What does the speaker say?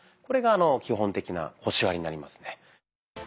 これが基本的な腰割りになりますね。